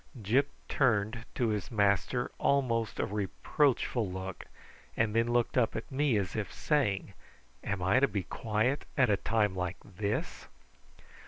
Gyp turned to his master almost a reproachful look, and then looked up at me, as if saying, "Am I to be quiet at a time like this?"